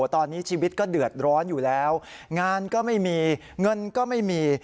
ตอนนี้ชีวิตก็เดือดร้อนอยู่แล้วงานก็ไม่มีเงินก็ไม่มี